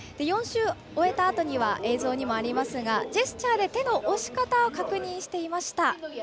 ４周終えたあとには映像にもありますがジェスチャーで手の押し方を確認していました。